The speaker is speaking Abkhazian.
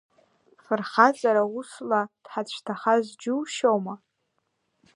Фырхаҵара усла дҳацәҭахаз џьушьома…